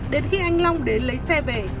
đến khi anh long đến lấy xe về